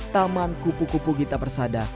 taman kupu kupu gita persada